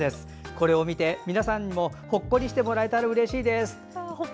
これを見て皆さんにもほっこりしてもらえたらうれしいです。